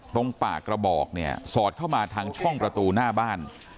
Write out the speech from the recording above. ตรงปากกระบอกเนี่ยสอดเข้ามาทางช่องประตูหน้าบ้าน